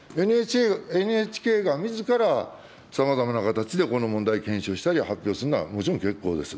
ＮＨＫがみずから、さまざまな形でこの問題、検証したり、発表するのはもちろん結構です。